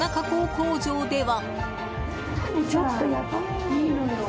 工場では。